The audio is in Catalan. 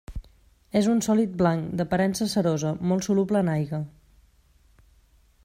És un sòlid blanc, d'aparença cerosa molt soluble en aigua.